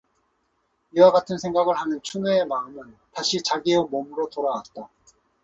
이와 같은 생각을 하는 춘우의 마음은 다시 자기의 몸으로 돌아왔다.